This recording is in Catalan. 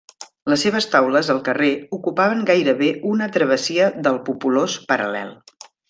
Les seves taules, al carrer, ocupaven gairebé una travessia del populós Paral·lel.